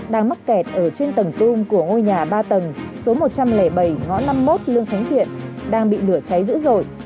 đang mắc kẹt ở trên tầng tung của ngôi nhà ba tầng số một trăm linh bảy ngõ năm mươi một lương khánh thiện đang bị lửa cháy dữ dội